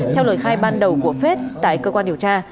theo lời khai ban đầu của phết tại cơ quan điều tra